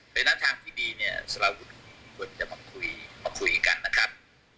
เพราะฉะนั้นทางที่ดีเนี่ยสละวุฒิมีคนจะมาคุยกันนะครับ